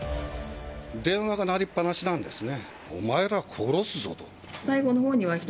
電話が鳴りっぱなしなんですね。